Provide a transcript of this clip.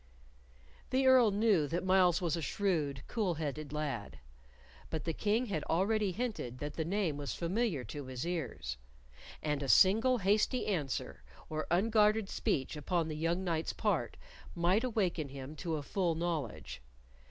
The Earl knew that Myles was a shrewd, coolheaded lad; but the King had already hinted that the name was familiar to his ears, and a single hasty answer or unguarded speech upon the young knight's part might awaken him to a full knowledge.